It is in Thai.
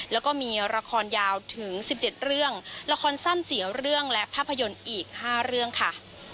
แล้วก็มีละครยาวถึง๑๗เรื่องละครสั้น๔เรื่องและภาพยนตร์อีก๕เรื่องค่ะ